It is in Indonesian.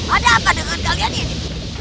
ada apa dengan kalian ini